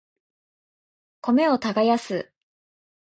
米を耕す